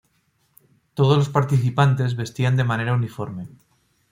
Todos los participantes vestían de manera uniforme.